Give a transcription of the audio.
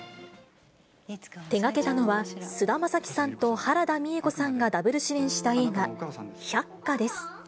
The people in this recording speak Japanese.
手がけたのは、菅田将暉さんと原田美枝子さんがダブル主演した映画、百花です。